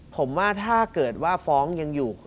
ผมว่าถ้าเกิดว่าฟ้องยังอยู่